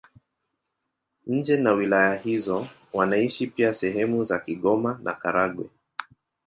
Nje na wilaya hizo wanaishi pia sehemu za Kigoma na Karagwe.